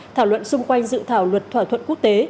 thảo luận xung quanh dự thảo luật thỏa thuận quốc tế